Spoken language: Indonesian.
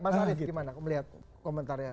mas arief gimana melihat komentarnya